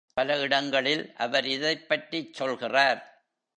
பல இடங்களில் அவர் இதைப் பற்றிச் சொல்கிறார்.